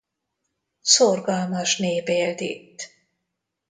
Szorgalmas nép élt itt.